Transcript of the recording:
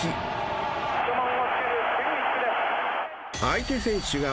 ［相手選手が］